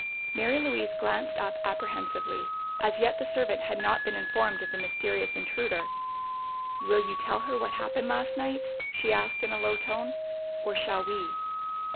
Mary Louise glanced up apprehensively. As yet the servant had not been informed of the mysterious intruder. "Will you tell her what happened last night?" she asked, in a low tone. "Or shall we?"